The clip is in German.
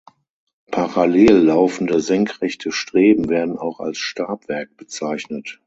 Parallel laufende, senkrechte Streben werden auch als Stabwerk bezeichnet.